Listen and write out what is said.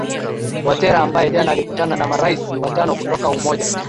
watera ambaye jana alikutana na marais watano kutoka umoja